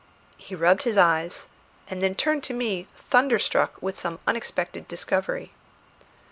He rubbed his eyes, and then turned to me thunderstruck with some unexpected discovery.